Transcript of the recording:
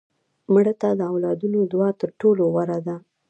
مړه ته د اولاد دعا تر ټولو غوره ده